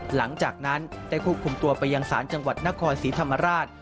หลังจากนั้นได้ควบคุมตัวไปยังศาลจังหวัดนครศรีธรรมราช